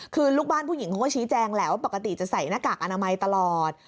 คือลูกบ้านผู้หญิงเขาก็ชี้แจงแหละว่าปกติจะใส่หน้ากากอนามัยตลอด